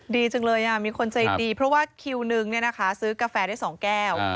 ดีจังเลยมีคนใจดีเพราะว่าคิวนึงซื้อกาแฟได้๒แก้ว